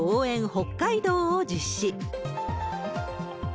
北海道を実施。